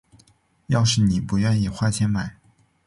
要是妳不愿意花钱买